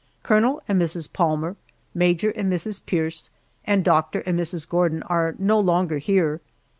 Colonel and Mrs. Palmer, Major and Mrs. Pierce, and Doctor and Mrs. Gordon are no longer here.